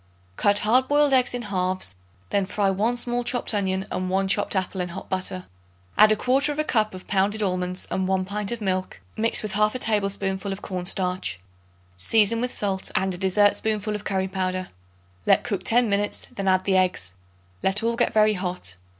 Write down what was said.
Cut hard boiled eggs in halves; then fry 1 small chopped onion and 1 chopped apple in hot butter; add 1/4 cup of pounded almonds and 1 pint of milk, mixed with 1/2 tablespoonful of cornstarch. Season with salt and a dessertspoonful of curry powder. Let cook ten minutes; then add the eggs. Let all get very hot.